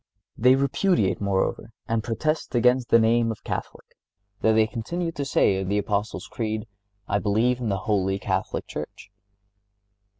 They repudiate, moreover, and protest against the name of Catholic, though they continue to say in the Apostles' Creed "I believe in the Holy Catholic Church."